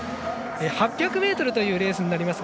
８００ｍというレースになります。